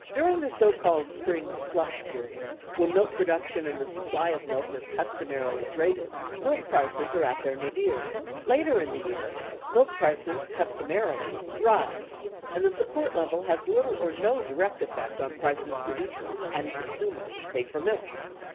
During the so called spring "flush" period, when milk production and the supply of milk are customarily greatest, milk prices are at their nadir ; later in the year, milk prices customarily rise and the support level has little or no direct effect on prices producers (and consumers) pay for milk.